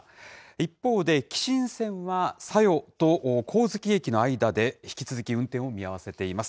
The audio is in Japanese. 一方で、姫新線は佐用と上月駅の間で、引き続き運転を見合わせています。